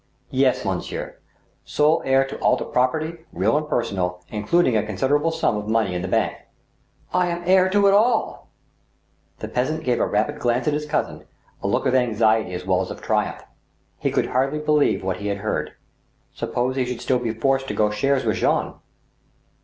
Yes, monsieur ; sole heir to all the property, real and personal, including a considerable sum of money in bank." "lamheirtoitalll" The peasant gave a rapid glance at his cousin, a look of anxiety as well as of triumph. He could hardly believe what he had heard. Suppose he should still be forced to go shares with Jean